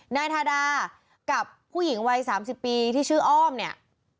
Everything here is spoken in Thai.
นายทาดากับผู้หญิงวัย๓๐ปีที่ชื่ออ้อมเนี่ย